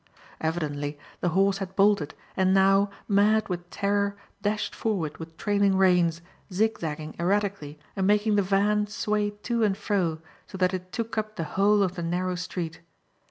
Evidently the horse had bolted and now, mad with terror, dashed forward with trailing reins, zigzagging erratically and making the van sway to and fro, so that it took up the whole of the narrow street.